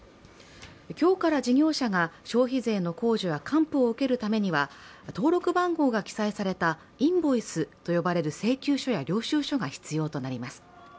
今日から、事業者が消費税の控除や還付を受けるためには登録番号が記載されたインボイスと呼ばれる請求書や領収書が必要となります。